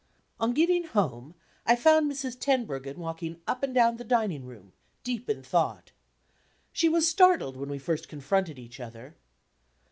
On getting home, I found Mrs. Tenbruggen walking up and down the dining room, deep in thought. She was startled when we first confronted each other.